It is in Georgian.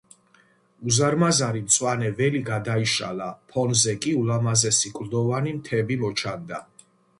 უზარმაზარი მწვანე ველი გადაიშალა, ფონზე კი ულამაზესი კლდოვანი მთები მოჩანდა.